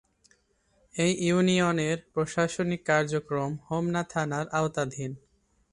এ ইউনিয়নের প্রশাসনিক কার্যক্রম হোমনা থানার আওতাধীন।